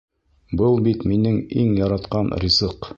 Был бит минең иң яратҡан ризыҡ!